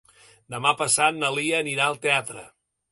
Demà passat na Lia anirà al teatre.